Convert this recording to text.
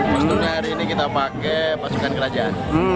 posturnya hari ini kita pakai pasukan kerajaan